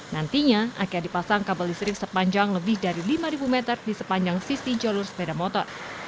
nantinya akan dipasang kabel listrik sepanjang lebih dari lima meter di sepanjang sisi jalur sepeda motor